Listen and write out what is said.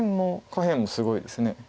下辺もすごいです。